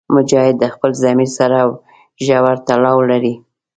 مجاهد د خپل ضمیر سره ژور تړاو لري.